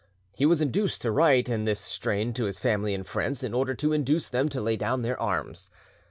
He was induced to write in this strain to his family and friends in order to induce them to lay down their arms.